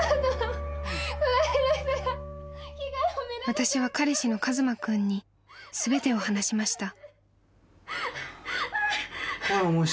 ［私は彼氏の一馬君に全てを話しました］